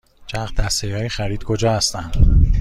چرخ دستی های خرید کجا هستند؟